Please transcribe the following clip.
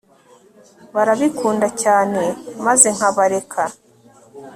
barabikunda cyane maze nkabareka